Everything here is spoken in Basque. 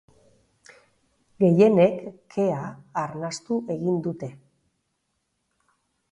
Gehienek kea arnastu egin dute.